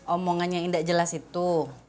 omongan yang ndak jelas itu